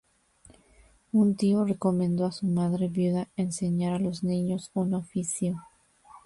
Un tío recomendó a su madre viuda enseñar a los niños un oficio.